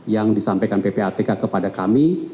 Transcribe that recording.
yang disampaikan ppatk kepada kami